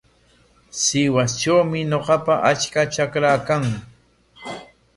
Sihuastrawmi ñuqapa achka trakaa kan.